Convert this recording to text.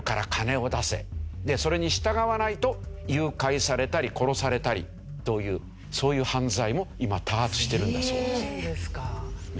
でそれに従わないと誘拐されたり殺されたりというそういう犯罪も今多発してるんだそうです。